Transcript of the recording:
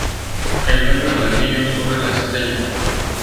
El dueño del anillo sobre la estrella.